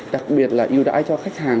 đặc biệt là yêu đại cho khách hàng